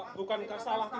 pak bukankah salah tidak